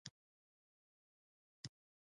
لرګی د زاړه ژوند ځانګړی راز دی.